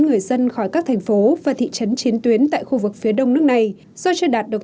người dân khỏi các thành phố và thị trấn chiến tuyến tại khu vực phía đông nước này do chưa đạt được